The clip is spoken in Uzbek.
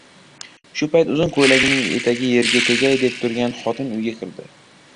Shu payt uzun ko‘ylagining etagi yerga tegay deb turgan xotin uyga kirdi.